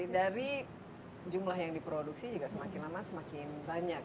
dari jumlah yang diproduksi juga semakin lama semakin banyak